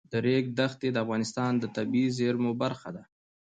د ریګ دښتې د افغانستان د طبیعي زیرمو برخه ده.